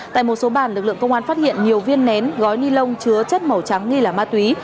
tại một số bàn lực lượng công an phát hiện nhiều viên nén gói ni lông chứa chất màu trắng nghi là ma túy